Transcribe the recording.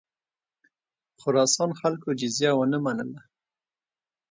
خراسان خلکو جزیه ونه منله.